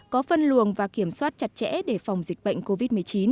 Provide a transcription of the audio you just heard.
có phân luồng và kiểm soát chặt chẽ để phòng dịch bệnh covid một mươi chín